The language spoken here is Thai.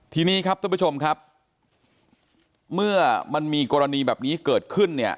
ทีนี้ครับท่านผู้ชมครับเมื่อมันมีกรณีแบบนี้เกิดขึ้นเนี่ย